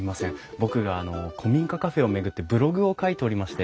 僕があの古民家カフェを巡ってブログを書いておりまして。